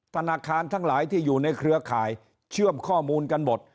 ธนาคารทั้งหลายที่อยู่ในเครือข่ายเชื่อมข้อมูลกันหมด